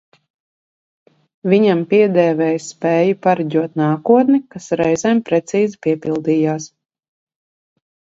Viņam piedēvēja spēju pareģot nākotni, kas reizēm precīzi piepildījās.